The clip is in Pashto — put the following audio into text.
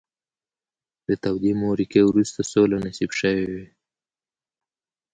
له تودې معرکې وروسته سوله نصیب شوې وي.